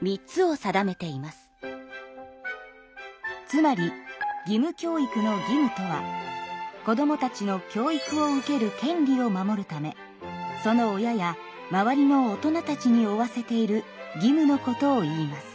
つまり義務教育の義務とは子どもたちの教育を受ける権利を守るためその親や周りの大人たちに負わせている義務のことをいいます。